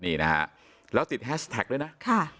นี่นะครับแล้วติดแฮชแท็กด้วยนะ